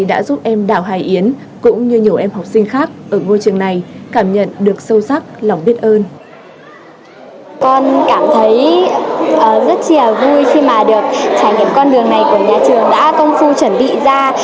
trải nghiệm con đường này của nhà trường đã công phu chuẩn bị ra